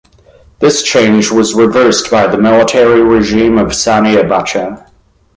This change was reversed by the military regime of Sani Abacha.